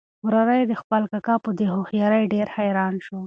وراره یې د خپل کاکا په دې هوښیارۍ ډېر حیران شو.